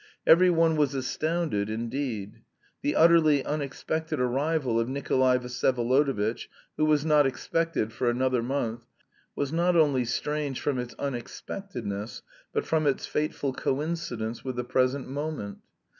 Every one was astounded indeed. The utterly unexpected arrival of Nikolay Vsyevolodovitch, who was not expected for another month, was not only strange from its unexpectedness but from its fateful coincidence with the present moment.